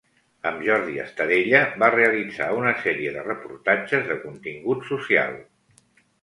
Amb Jordi Estadella va realitzar una sèrie de reportatges de contingut social.